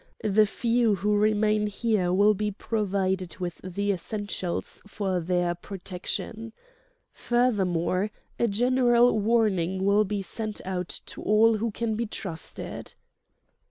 The few who remain here will be provided with the essentials for their protection. Furthermore, a general warning will be sent out to all who can be trusted."